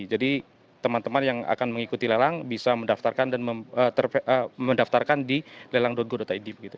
jadi teman teman yang akan mengikuti lelang bisa mendaftarkan di lelang go id